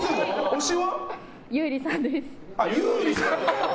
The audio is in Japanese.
優里さんです。